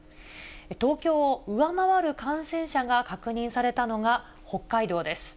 東京を上回る感染者が確認されたのが北海道です。